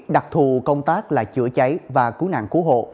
đặc thù công tác là chữa cháy và cứu nạn cứu hộ